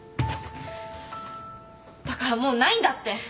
だからもうないんだって。